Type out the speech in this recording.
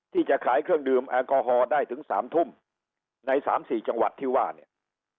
ที่จะขายเครื่องดื่มแอลกอฮอล์ได้ถึง๓ทุ่มใน๓๔จังหวัดที่ว่าเนี่ย